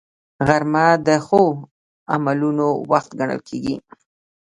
غرمه د ښو عملونو وخت ګڼل کېږي